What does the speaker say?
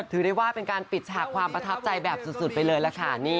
ถือได้ว่าเป็นการปิดฉากความประทับใจแบบสุดไปเลยล่ะค่ะ